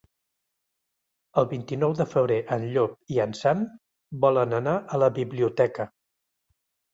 El vint-i-nou de febrer en Llop i en Sam volen anar a la biblioteca.